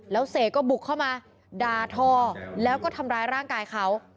แล้วเสกก็บุกเข้ามาด่าทอแล้วก็ทำร้ายร่างกายเขา